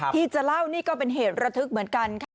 ที่จะเล่านี่ก็เป็นเหตุระทึกเหมือนกันค่ะ